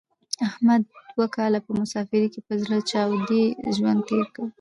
احمد دوه کاله په مسافرۍ کې په زړه چاودې ژوند تېر کړ.